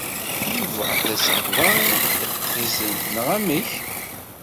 Yuba d asegbar iqefzen, neɣ amek?